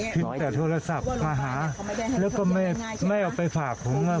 คิดแต่โทรศัพท์มาหาแล้วก็ไม่เอาไปฝากผมว่า